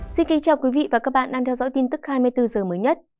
xin kính chào quý vị và các bạn đang theo dõi tin tức hai mươi bốn h mới nhất